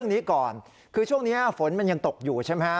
นี้ก่อนคือช่วงนี้ฝนมันยังตกอยู่ใช่ไหมฮะ